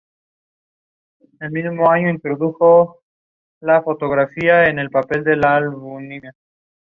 The station is owned by Neumann University.